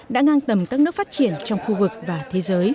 đã ngang tầm các nước phát triển trong khu vực và thế giới